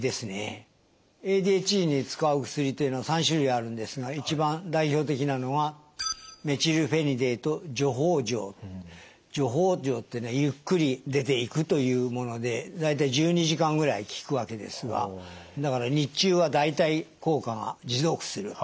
ＡＤＨＤに使う薬っていうのは３種類あるんですが一番代表的なのは徐放錠ってねゆっくり出ていくというもので大体１２時間ぐらい効くわけですがだから日中は大体効果が持続する。